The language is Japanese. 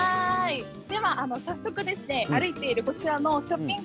早速、歩いているこちらのショッピング